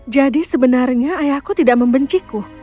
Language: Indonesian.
jadi sebenarnya ayahku tidak membenciku